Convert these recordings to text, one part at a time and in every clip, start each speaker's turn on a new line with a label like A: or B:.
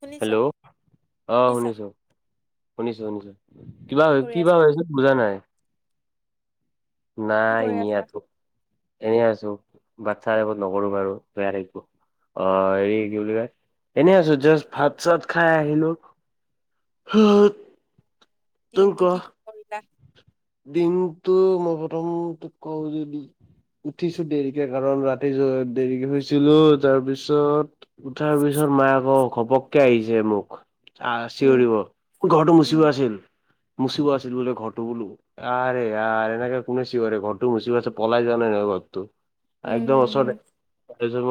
A: শুনিছ
B: হেল্ল' অ',
A: শুনিছা
B: শুনিছোঁ
A: উম
B: শুনিছোঁ শুনিছোঁ কিবা
A: কৰি
B: কি বা
A: আছা
B: হৈছিল বুজা নাই।
A: কি
B: নাই
A: কৰি
B: এনে
A: আছা
B: ইয়াতো এনে আছোঁ এই আছোঁ বাচ্ছা ত নকৰো বাৰু বেয়া থাকিবো। অ', হেৰি কি বুলি কয় এনে আছোঁ জাষ্ট ভাত চাত খাই আহিলোঁ। সা [unintelligible]
A: দিনটো কি কৰিলা?
B: দিনটো মই প্ৰথম উদযাপন [unintelligible] উঠিছো দেৰিকে কাৰণ ৰাতি দেৰিকে শুইছিলোঁ তাৰপিছত উঠাৰ পিছত মায়ে আকৌ ঘপককে আহিছে মোক আহ'
A: উম
B: চিঞৰিবোন ঘৰটো
A: উম
B: মুচিব আছিল মুচিব আছিল বোলে ঘৰটো। বোলো, আৰে ইয়াৰ এনেকে কোনে চিঞৰে ঘৰটো মুচিব আছে পলাই যোৱাৰ নাই ন ঘৰতটো।
A: উম
B: একদম
A: হম
B: ওচৰতে ওনাই ব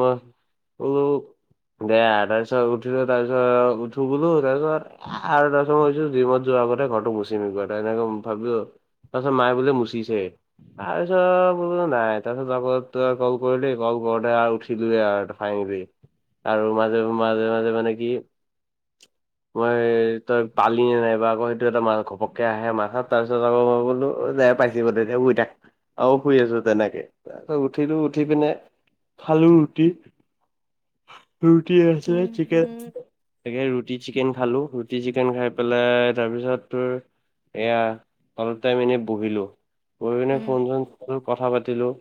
B: [unintelligible] দে, তাৰ পিছত উঠিলোঁ তাৰপিছত উঠো বলো তাৰপিছত আৰু তাৰ পিছত মই জিম মত যোৱাৰ আগতে ঘৰটো মচি মি এ এনেক ভাবিলোঁ, তাৰপিছত মায়ে বোলে মুচিছে। তাৰ পিছত বো নাই তাৰপিছত আগ তই ক'ল কৰিলি ক'ল কৰতে আৰু উঠিলোঁ আৰু। ভাঙিব আৰু মাজে মাজে, মাজে মানে কি মই, তই পালি নাইবা আকৌ' সেইটো এটা মা ঘপককে আহে মাথাত হয়। তাৰ পিছত আকৌ ক'লো যে পাইছে তেতিয়া শুই থাক। আৰু শুই আছোঁ তেনেকে তাৰপাছত উঠিলোঁ উঠি পিনে খালো ৰুটি।
A: [inaudible]
B: ৰুটি আছিলে
A: হম
B: চিকেন।
A: হম
B: তাকে, ৰুটি চিকেন খালোঁ। ৰুটি চিকেন খাই পেলাই তাৰপিছত তোৰ এয়া অলপ টাইম এনেই বহিলো। বহি পিনে
A: উম
B: ফোন চোন কথা পাতিলোঁ।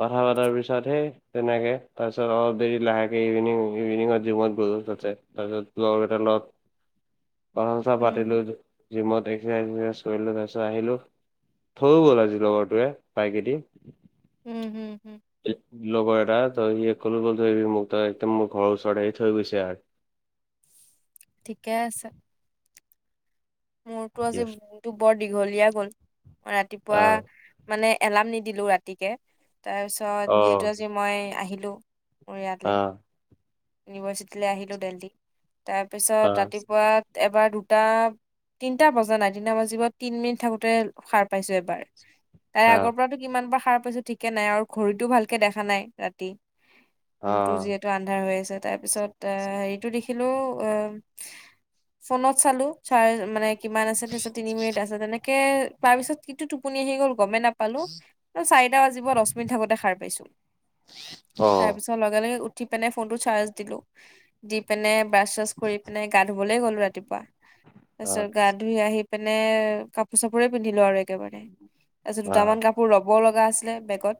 B: কথা পতাৰ পিছতহে তেনেকে তাৰপিছত অলপ দেৰি লাহেকে ইভিনিং ইভিনিঙত জিমত গলোঁ তাতে। তাৰপিছত লগৰ কেইটাৰ লগত
A: [inaudible]
B: কথা চথা
A: উম
B: পাতিলো জিমত এক্সাৰচাইজ [unintelligible] কৰিলো তাত। চ আহিলো থো গ'ল আজি লগৰটোৱে বাইকেদি।
A: উম হম হুম।
B: লগৰ এটা তই সি কলৈ গ'ল থৈ আহিবি মোক তই একদম মোৰ ঘৰৰ ওচৰৰত আহি থৈ গৈছে আৰ।
A: ঠিকে আছে। মোৰতো আজি
B: য়েছ
A: [unintelligible] বৰ দীঘলীয়া গ'ল ৰাতিপুৱা
B: অ
A: মানে এলাৰ্ম নিদিলো ৰাতিকে তাৰ পিছত
B: অ
A: যিহেতু আজি মই আহিলো।
B: অ
A: ইয়ালে ইউনিভাৰ্চিটি আহিলোঁ দেলডি।
B: অ
A: তাৰপিছত ৰাতিপুৱাত এবাৰ দুটা তিনিটা বজা নাই তিনিটা বাজিব তিনি মিনিট থাকোঁতে সাৰ পাইছো এবাৰ। তাই
B: অ
A: আগৰ পৰাতো কিমান বাৰ সাৰ পাইছো ঠিকে নাই আৰু ঘড়ীটো ভালকে দেখা নাই ৰাতি।
B: অ
A: ৰুমটো যিহেতু আন্ধাৰ হৈ আছে তাৰ পিছত আই হেৰিটো দেখিলো আহম ফোনত চালো চাৰ- মানে কিমান আছে তিনি মিনিট আছে তেনেকে তাৰ পিছত কিটো টোপনি আহি গ'ল গমে নাপ- পালোঁ। চাৰিটা বাজিব দশ মিনিট থাকোঁতে সাৰ পাইছো।
B: অ
A: তাৰপিছ- লগে লগে উঠি পিনে ফোন টো চাৰ্জ দিলোঁ। দি পিনে ব্ৰাছ চাছ কৰি পিনে গা ধুবলৈ গ'লো ৰাতিপুৱা। তাছত গা ধুই আহি পিনে কাপোৰ চাপোৰে পিন্ধিলোঁ আৰু একেবাৰে তাৰ পিছত
B: অ অ
A: দুটামান কাপ- পোৰ ল'ব লগা আছিলে বেগত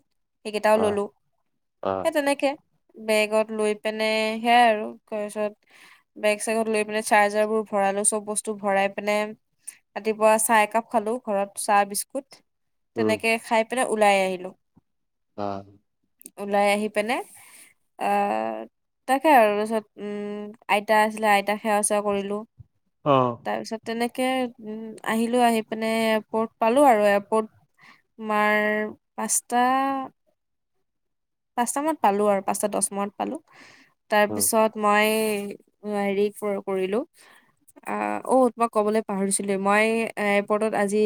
A: সেইকেইটাও
B: অ
A: ললোঁ
B: অ
A: সে তেনেকে। বেগত লৈ পিনে সেয়াই আৰু কেৰেছত বেগ চেগত লৈ পিনে চাৰ্জাৰ বোৰ ভৰালো চব বস্ত- তো ভৰাই পিনে ৰাতিপুৱা চাহ একাপ খালো ঘৰত চাহ বিস্কুট।
B: উম
A: তেনেকে খাই পেলাই ওলাই আহিলো।
B: অ।
A: ওলাই আহি পিনে অহ তাকে আৰু পিছত আইতা আছিলে আইতাক সেৱা চেৱা কৰিলো।
B: অ।
A: তাৰ পিছত তেনেকে উম আহিলো আহি পিনে এয়াৰপৰ্ট পালো আৰু এয়াৰপৰ্ট তোমাৰ পাঁচটা পাঁচটা মানত পালো আৰু পাঁচটা দছ মানত পালো।
B: উম
A: তাৰপিছত মই এ হেৰি পৰ কৰিলো আহ অ তোমাক মই ক'বলৈ পাহৰিছিলোৱে মই এয়াৰপৰ্টত আজি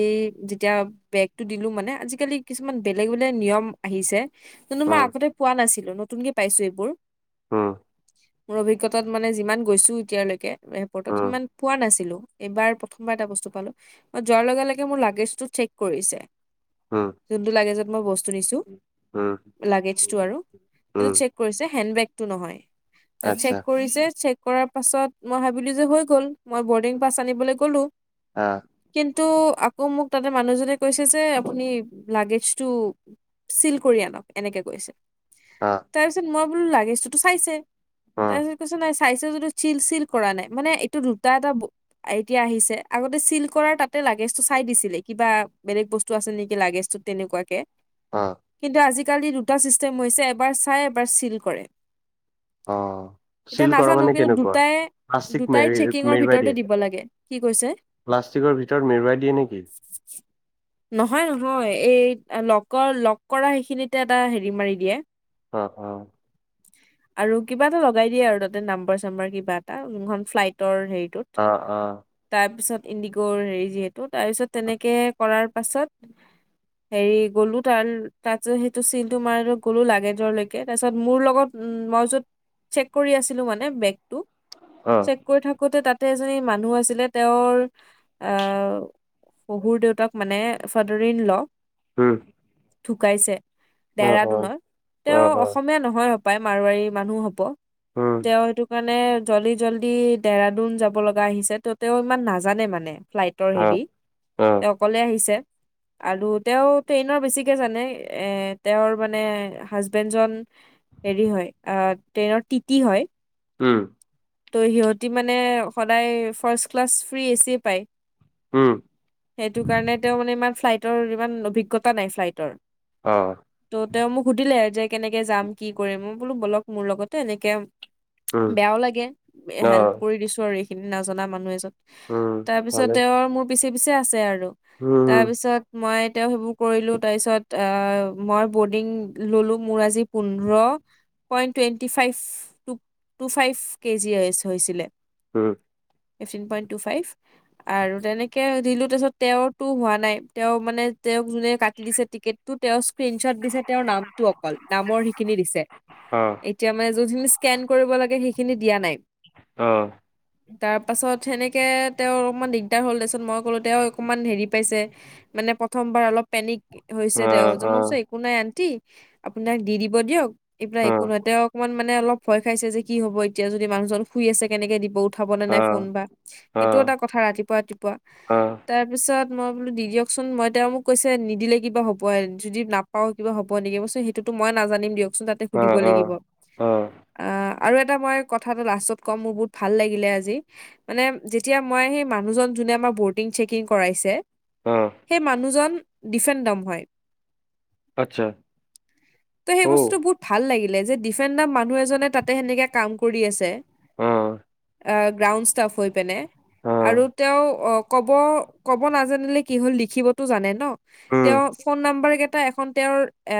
A: যেতিয়া বেগতটো দিলো মানে আজিকালি কিছুমান বেলেগ বেলেগ নিয়ম আহিছে কোনোবা
B: উম
A: পোৱা নাছিলো নতুনকে পাইছো এইবোৰ।
B: উহ।
A: মোৰ অভিজ্ঞতাত মানে যিমান গৈছো এতিয়ালৈকে এয়াৰপৰ্টত
B: উম
A: সিমান পোৱা নাছিলো এইবাৰ প্ৰথমবাৰ এটা বস্তু পালো। মই যোৱাৰ লগে লগে মোৰ লাগেজটো চেক কৰিছে।
B: উম
A: যোনটো লাগেজত মই বস্তু নিছো লাগেজ
B: উম
A: আৰু সেইটো
B: উম
A: চেক কৰিছে, হেণ্ডবেগটো নহয়।
B: আচ্ছা
A: চেক কৰিছে চেক কৰাৰ পাছত মই ভাবিলোঁ যে হৈ গ'ল। মই বৰ্ডিং পাছ আনিবলৈ গ'লো
B: অ।
A: কিন্তু আকৌ মোক তাতে মানুহজনে কৈছে যে আপুনি লাগেজ টো চিল কৰি আনক, এনেকে কৈছে।
B: আ।
A: তাৰপিছত মই বোলো লাগেজ টোতো চাইছে।
B: অ
A: তাৰপিছত কৈছে নাই চাইছ যিটো চিল চিল কৰা নাই, মানে এইটো দুটা এটা এতিয়া আহিছে। আগতে চিল কৰাৰ তাতে লাগেজটো চাই দিছিলে। কিবা বেলেগ বস্তু টো আছে নেকি লাগেজটো তেনেকুৱাকে।
B: অ।
A: কিন্তু আজিকালি দুটা ছিষ্টেম হৈছে। এবাৰ চাই এবাৰ চিল কৰে।
B: অ',
A: এতিয়া
B: চিল কৰা
A: নাজানো
B: মানে
A: কিন্তু
B: কেনেকুৱা?
A: দুটাই
B: প্লাষ্টিক
A: দুটাই
B: মেৰি
A: চেকিংৰ
B: মেৰুৱাই
A: ভিতৰতে
B: দিয়ে,
A: দিব লাগে। কি কৈছে?
B: প্লাষ্টিকৰ ভিতৰত মেৰুৱাই দিয়ে নেকি?
A: [inaudible] নহয় নহয়। এই লগৰ লগ কৰা সেইখিনিতে এটা হেৰি মাৰি দিয়ে।
B: অ, অ।
A: [inaudible] আৰু কিবা এটা লগাই দিয়ে আৰু তাতে নাম্বাৰ চাম্বাৰ কিবা এটা, যোনখন ফ্লাইটৰ হেৰিটোত।
B: অ, অ।
A: তাৰ পিছত ইণ্ডিগৰ হেৰি যিহেতু। তাৰ পিছত তেনেকে কৰাৰ পাছত হেৰি গ'লো। তাৰ তাত সেইটো চিনটো মাৰো কলো লাগেজৰ লৈকে। তাৰপিছত মোৰ লগত উম মই কৈছোঁ চেক কৰি আছিলো মানে বেগটো।
B: অ।
A: চেক কৰি থাকোতে তাতে এজনী মানুহ আছিলে। তেওঁৰ আহ শহুৰ দেউতাক মানে ফাদাৰ ইণ ল।
B: উম।
A: ঢুকাইছে
B: অ', অ',
A: ডেৰাডুনত। তেওঁ
B: অ', অ',
A: অসমীয়া নহয় হপায়, মাৰোৱাৰী মানুহ হব।
B: উম।
A: তেওঁ সেইটো কাৰণে জল্দি জল্দি ডেৰাডুন যাব লগা আহিছে। ত' তেওঁ ইমান নাজানে মানে। ফ্লাইটৰ
B: অ',
A: হেৰি।
B: অ',
A: তেওঁক অকলে আহিছে আৰু তেওঁ ট্ৰেইনৰ বেছিকে জানে। এ তেওঁৰ মানে হাজবেণ্ড জন হেৰি হয় আ ট্ৰেইনৰ টিতি হয়।
B: উম।
A: ত' সিহঁতি মানে সদায় ফাৰ্ষ্ট ক্লাছ ফ্ৰী এচি পায়।
B: উম।
A: সেইটো কাৰণে তেওঁ মানে ইমান ফ্লাইটৰ ইমান অভিজ্ঞতা নাই ফ্লাইটৰ।
B: অঁ।
A: ত' তেওঁ মোক সুধিলে যে, কেনেকে যাম কি কৰিম? মই বোলো বলক মোৰ লগতে। এনেকে
B: উম,
A: বেয়াও লাগে হেল্প
B: অ',
A: কৰি দিছো আৰু এইখিনি নাজানা মানুহ এজন।
B: উম,
A: তাৰপিছত তেওঁৰ মোৰ পিছে পিছে আছে আৰু।
B: উম, উম।
A: তাৰপিছত মই এতিয়া সেইবোৰ কৰিলোঁ। তাৰপিছত আ মই বৰ্ডিং ল'লোঁ। মোৰ আজি পোন্ধৰ point twenty five two five. K G S হৈছিলে
B: উম
A: ফিফটি পইণ্ট‌ তো ফাইভ আৰু তেনেকে দিলো তাৰপিছত তেওঁতো হোৱা নাই তেওঁ মানে তেওঁক যোনে কাটি দিছে টিকেট তো তেওঁ স্ক্ৰীনশ্বট দিলে তেওঁৰ নামটো অকল নামৰ সিখিনি দিছে
B: অ',
A: এতিয়া মানে যিখিনি স্কেন কৰিব লাগে সেই খিনি দিয়া নাই
B: অ
A: [unintelligible] তাৰ পাছত সেনেকে তেওঁ অকণমান দিগদাৰ হ'ল তাৰপিছত মই ক'লো তেওঁ অকণমান হেৰি পাইছে মানে প্ৰথমবাৰ অলপ পেনিক হৈছে
B: অ',
A: তেওঁ
B: অ',
A: কৈছে মই কৈছোঁ একো নাই আন্টি আপোনাক দি দিব দিয়ক এই বিলাক একো
B: অ',
A: নহয় তেওঁ অকমান মানে অলপ ভয় খাইছে যে কি হ'ব এতিয়া যদি মানুহজন শুই আছে কেনেকে দিব উঠাব নে
B: অ',
A: নাই ফোন
B: অ',
A: বা
B: অ',
A: এইটো এটা কথা ৰাতিপুৱা ৰাতিপুৱা
B: অ',
A: তাৰপিছত মই বোলো দি দিয়কচোন মই তেওঁ মোক কৈছে নিদিলে কিবা হ'ব আ যদি নাপ অ কিবা হব নেকি মই কৈছো ‌সেইটো মই নাজানিম দিয়কচোন তাত সুধিব
B: অ'।
A: লাগিব
B: অ',
A: আ আৰু এটা মই কথাটো লাষ্টত কম মোৰ বহুত ভাল লাগিলে আজি মানে যেতিয়া মই সেই মানুহজন যোনে আমাৰ বডিং চেকিং কৰাইছে
B: অ
A: সেই মানুহজন ডিচেনডম হয়
B: আচ্ছা,
A: ত সেই বস্তুটো
B: অ',
A: বহুত ভাল লাগিলে যে ডিফেনডম মানুহ এজনে তাতে সেনেকে কাম কৰি আছে
B: অ
A: অ গ্ৰাউণ্ড ষ্টাফ হৈ পিনে আৰু
B: অ',
A: তেওঁ কব ক'ব নাজানিলে কি হ'ল লিখিবতো জানে ন
B: উম,
A: তেওঁৰ ফোন নাম্বাৰ কেইটা এখন তেওঁৰ এ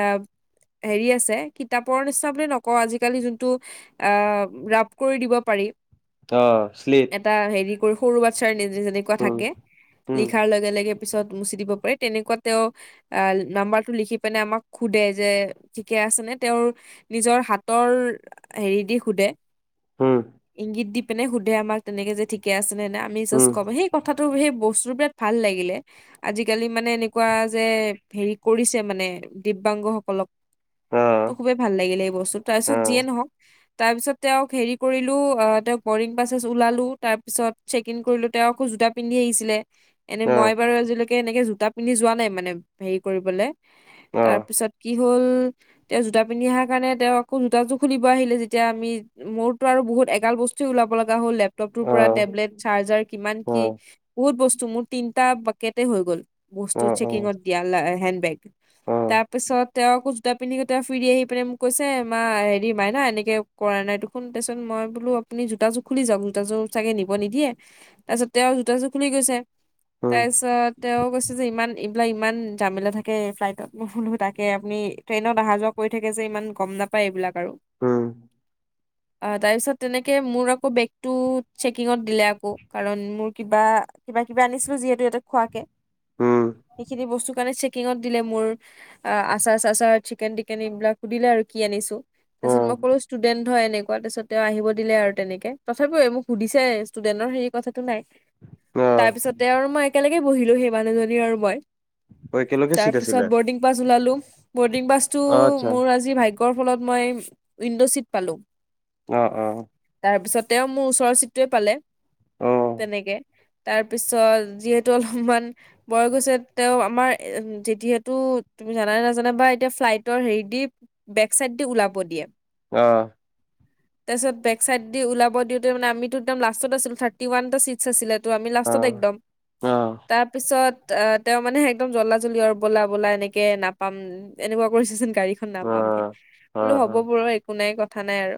A: হেৰি আছে কিতাপৰ নিচিনা বুলি নকওঁ আজিকালি যোনটো অ ৰাপ কৰি দিব পাৰি
B: অ শ্লিপ
A: এটা হেৰি কৰি সৰু বাচ্ছাই যেন যেনেকুৱা
B: উম,
A: থাকে
B: উম।
A: লিখাৰ লগে লগে পিছত মুচি দিব পাৰে তেনেকুৱা তেওঁ আহ নাম্বাৰটো লিখি পিনে আমাক সোধে যে ঠিকে আছে নে তেওঁৰ নিজৰ হাতৰ হেৰি দি সোধে
B: উম
A: ইংগিত দি পিনে সুধে আমাক তেনেকে যে ঠিকে আছে নে আমি জাষ্ট
B: উম,
A: ক'ম সেই কথাটো সেই বস্তু বিলাক ভাল লাগিলে আজিকালি মানে এনেকুৱা যে হেৰি কৰিছে মানে দিব্যাংগ সকলক ত
B: অ',
A: খুবেই ভাল লাগিলে এই বস্তু তাৰপিছত যিয়ে
B: অ',
A: নহক তাৰ পিছত তেওঁক হেৰি কৰিলো অ তেওঁক বৰিং পাছেছ ওলালো তাৰপিছত চেকইন কৰিলো তেওঁ আকৌ জোতা পিন্ধি আহিছিলে এনে
B: অ',
A: মই
B: অ',
A: বাৰু আজিলৈকে এনেকে জোতা পিন্ধি যোৱা নাই মানে হেৰি কৰিবলে
B: অ',
A: তাৰপিছত কি হ'ল তেওঁ জোতা পিন্ধি অহাৰ কাৰণে তেওঁ আকৌ জোতাটো খুলিব আহিলে যেতিয়া আমি মোৰতো আৰু বহুত এগাল বস্তু ওলাব লগা হ'ল লেপটপটোৰ পৰা
B: অ',
A: টেবলেট চাৰ্জাৰ কিমান কি বহুত বস্তু মোৰ তিনটা বাকেটে হৈ গ'ল বস্তু
B: অ', অ',
A: চেকিঙত জ্ঞান লা হেড বেগ
B: অ',
A: তাৰপিছত তেওঁক কৈছোঁ জোতা পিন্ধিগোটেই ফুৰি আহি পিনে মোক কৈছে মা হেৰি মাইনা এনেকে কৰা নাই ত শুন তাৰপিছত মই বোলো আপুনি জোতাযোৰ খুলি যাওক জোতাৰ চাগে নিব নিদিয়ে। তাৰপিছত তেওঁৰ জোতাযোৰ খুলি গৈছে,
B: উম,
A: তাৰপিছত তেওঁ কৈ যে ইমান এইবিলাক ইমান জামেলা থাকে ফ্লাইটত মই বোলো তাকে আপুনি ট্ৰেইনত আহা যোৱা কৰি থাকে যে ইমান গম নাপায় এইবিলাক আৰু।
B: উম।
A: আ তাৰপিছত তেনেকে মোৰ আকৌ বেগটো চেকিঙত দিলে আকৌ কাৰণ মোৰ কিবা কিবা কিবা আনিছিলো যিহেতু ইয়াতে খোৱাকে,
B: উম,
A: সেইখিনি বস্তু কাৰণে চে কিঙত দিলে মোৰ আচাৰ চাচাৰ চিকেন টিকেন এই বিলাক সুধিলে আৰু কি আনিছো তাৰ পিছত মই
B: অ',
A: কলোঁ ষ্টুডেন্ট হয় এনে কোৱাৰ পিছত তেওঁ আহিব দিলে আৰু তেনেকে, তথাপিও মোক সুধিছে ষ্টুডেন্টৰ হেৰি কথাটো নাই
B: অ', অ',
A: তাৰপিছতে তেওঁ আৰু মই একেলগে বহিলো সেই মানুহজনী আৰু মই
B: একেলগে চিট আছিলে?
A: তাৰপিছত বৰ্ডিং পাছ ওলালো বৰ্ডিং পাছটো
B: অ', আচ্ছা,
A: মোৰ আজি ভা গ্যৰ ফলত মই উইণ্ডো চিট পালো।
B: অঁ হঁ।
A: তাৰপিছত তেওঁ মোৰ ওচৰৰ চিটটোয়ে পালে
B: অ', অ',
A: তেনেকে। তাৰপিছত যিহেতু অলপমান বয় বস্তু তেওঁ আমাৰ যেতিহেতু তুমি জানে নাজানা বা এতিয়া ফ্লাইটৰ হেৰি দি বেক চাইড দি ওলাব দিয়ে।
B: আঁহ।
A: তাৰপিছত বেক চাইড দি ওলাব দিওঁতে আমিটো একম লাষ্টত আছিলো থা ৰ্টি ওৱানটা চিট আছিলে ত' আমি
B: অ',
A: লাষ্টত একদম।
B: অ', অ',
A: তাৰপিছত অ তেওঁ মানে একদম জল্দা জল্দি আৰু ব'লা ব'লা এনেকে নাপাম এনেকুৱা কৰিছে যেন গাড়ীখন নাপামহে, বোলো
B: অ',
A: হ'ব বাৰু একো নাই কথা নাই আৰু।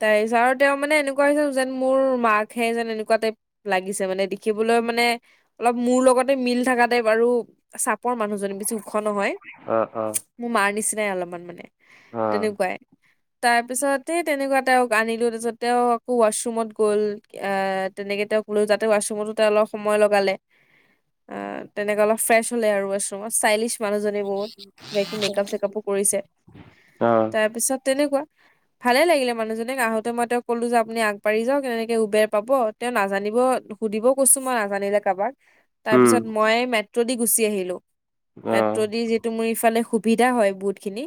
A: তাৰপিছত আৰু তেওঁ মানে এনেকুৱা হৈছে যেন মোৰ মাকহে যেন এনেকুৱা টাইপ লাগিছে মানে দেখিবলৈ মানে অলপ মোৰ লগতে মিল থাকা টাইপ আৰু চাপৰ মানুহজনী বেছি ও খ নহয়
B: অ', অ',
A: মোৰ মাৰ নিচিনাই অলপমান মানে তেনেকুৱাই। তাৰপিছত হে তেনেকুৱাত তেওঁক আনিলো তাৰপিছত তেওঁ আকৌ ৱাছৰুমত গ'ল। আহ তেনেকে তেওঁক লৈ তাতে ৱাছৰুমতো অলপ সময় লগালে। আ, তেনেকে অলপ ফ্ৰেছ হলে আৰু ৱাছৰুমত ষ্টাইলিছ মানুহজনী‌ বহুত বাকী মেকআপ চেকাপও কৰিছে, তাৰপিছত তেনেকুৱা। ভালেই লাগিলে মানুহজনীক আহোতে মই তেওঁক ক'লোঁ যে আপুনি আগবাঢ়ি যাওক কেনেকৈ উবেৰ পাব তেওঁ নাজানিব সুধিবও কৈছো মই নাজানিলে কাৰোবাক। তাৰ
B: উম,
A: পিছত মই মেট্ৰ' দি গুচি আহিলো
B: অ',
A: মেট্ৰ' দি ত' মোৰ ইফালে সুবিধা হয় বহুত খিনি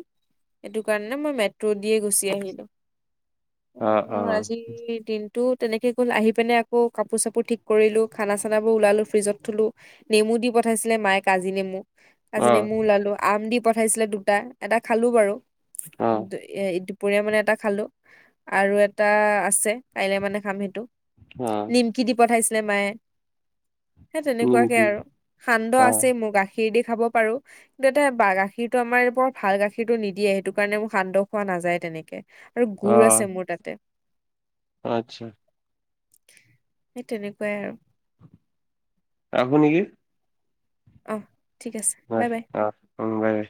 A: সেইটো কাৰণে মই মেট্ৰ' দিয়ে গুচি আহিলোঁ। অ মোৰ আজি দিনটোত তেনেকে গ'ল আহি পিনে আকৌ কাপোৰ চাপোৰ ঠিক কৰিলো খানা চানাবোৰ ওলালো ফ্ৰিজত থলো। নেমু দি পঠাইছিলে মায়ে কাজি নেমু। কাজি
B: অ',
A: নেমু ওলালো আম দি পঠাইছিলে দুটা, এটা খালো বাৰু।
B: অ',
A: এ দুপৰীয়া মানে এটা খালোঁ আৰু এটা আছে কাইলৈ মানে খাম সেইটো।
B: অ
A: নিম কি দি পঠাইছিলে মায়ে সেই তেনেকুৱাকে
B: নিমকি
A: আৰু সান্দহ
B: অ',
A: আছেই মোৰ গা খীৰ দি খাব পাৰোঁ। ইয়াতে গাখীৰটো আমাৰ‌ ইয়াত বৰ ভাল গাখীৰটো নিদিয়ে সেইটো কাৰণে মোৰ সান্দহ খোৱা নাযায় তেনেকে। আৰু গুড়
B: অ',
A: আছে মোৰ তাতে।
B: আচ্ছা,
A: সেই তেনেকুৱাই আৰু
B: ৰাখো নেকি?
A: অ', ঠিক আছে, বাই
B: অ',
A: বাই।
B: অ', উম, বাই বাই।